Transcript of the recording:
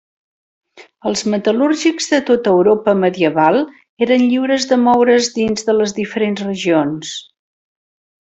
Els metal·lúrgics de tota Europa medieval eren lliures de moure's dins de les diferents regions.